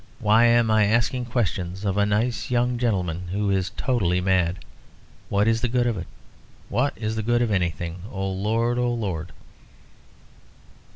Why am I asking questions of a nice young gentleman who is totally mad? What is the good of it? What is the good of anything? Oh, Lord! Oh, Lord!"